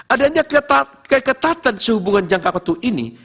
adanya keketatan sehubungan jangka waktu ini